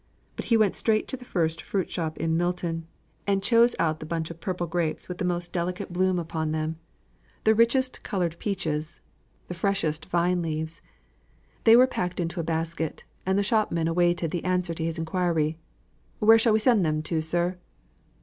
But he went straight to the first fruit shop in Milton, and chose out the bunch of purple grapes with the most delicate bloom upon them, the richest coloured peaches, the freshest vine leaves. They were packed into a basket, and the shopman awaited the answer to his inquiry, "Where shall we send them to, sir?"